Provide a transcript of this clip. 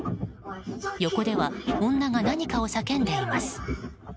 横では女が何かを叫んでいます。